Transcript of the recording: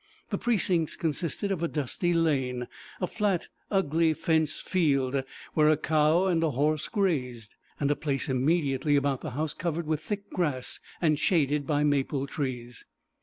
The precincts consisted of a dusty lane, a flat, ugly fenced field where a cow and a horse grazed, and a place immediately about the house covered with thick grass and shaded by maple trees.